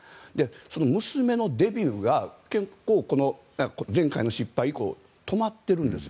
その娘のデビューが前回の失敗以降止まっているんです。